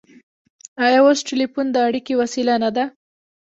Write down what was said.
آیا اوس ټیلیفون د اړیکې وسیله نه ده؟